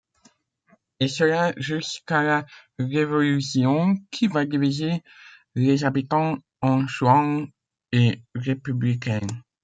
Et cela jusqu’à la Révolution qui va diviser les habitants en chouans et républicains.